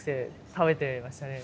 食べてましたね。